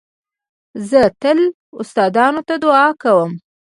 زه تل استادانو ته دؤعا کوم.